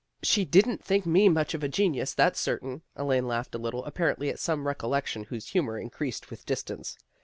" She didn't think me much of a genius, that's certain." Elaine laughed a little, apparently at some recollection whose humor increased with distance.